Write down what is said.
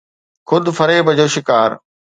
خود فريب جو شڪار.